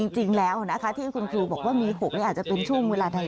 จริงแล้วนะคะที่คุณครูบอกว่ามี๖นี่อาจจะเป็นช่วงเวลาใด